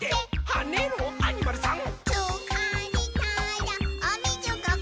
はねろアニマルさん！」